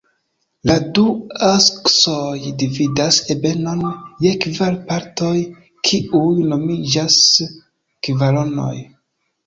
La du aksoj dividas ebenon je kvar partoj, kiuj nomiĝas kvaronoj.